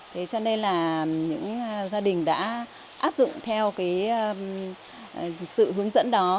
thế cho nên là những gia đình đã áp dụng theo cái sự hướng dẫn đó